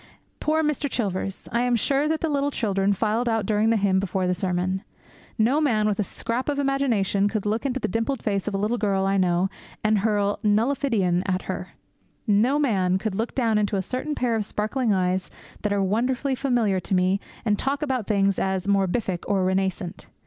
Poor Mr. Chilvers! I am sure that the little children filed out during the hymn before the sermon. No man with a scrap of imagination could look into the dimpled face of a little girl I know and hurl 'nullifidian' at her. No man could look down into a certain pair of sparkling eyes that are wonderfully familiar to me and talk about things as 'morbific' or 'renascent.'